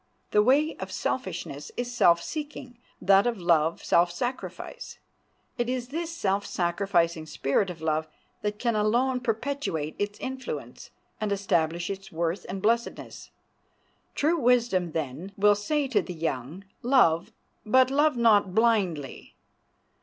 The way of selfishness is self seeking; that of love, self sacrifice. It is this self sacrificing spirit of love that can alone perpetuate its influence and establish its worth and blessedness. True wisdom, then, will say to the young, Love, but love not blindly.